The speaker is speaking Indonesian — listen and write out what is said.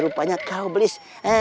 rupanya kau blis